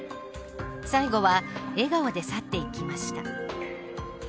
最後は笑顔で去っていきました。